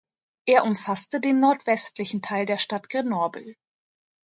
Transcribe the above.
Er umfasste den nordwestlichen Teil der Stadt Grenoble.